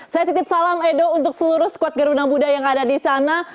saya titip salam edo untuk seluruh squad garuda muda yang ada di sana